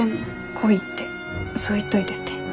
来いってそう言っといてって。